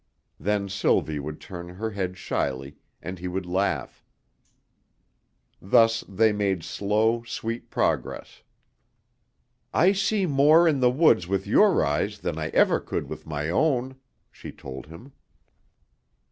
Then Sylvie would turn her head shyly, and he would laugh. Thus they made slow, sweet progress. "I see more in the woods with your eyes than I ever could with my own," she told him.